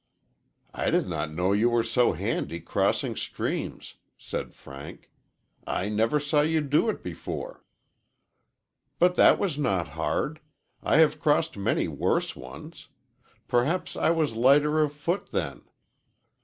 "I did not know you were so handy crossing streams," said Frank. "I never saw you do it before." "But that was not hard. I have crossed many worse ones. Perhaps I was lighter of foot then."